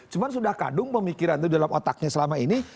cuma sudah kadung pemikiran itu dalam otaknya selama ini